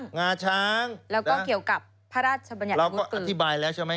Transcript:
งาช้างแล้วก็เกี่ยวกับพระราชบัญญัติเราก็อธิบายแล้วใช่ไหม